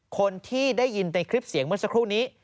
คนที่ได้ยินในคลิปเสียงเมื่อสักครู่นี้